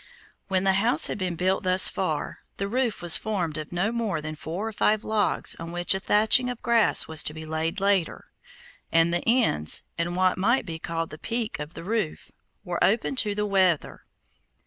When the house had been built thus far, the roof was formed of no more than four or five logs on which a thatching of grass was to be laid later, and the ends, in what might be called the "peak of the roof," were open to the weather.